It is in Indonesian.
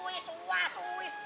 wah suis wah suis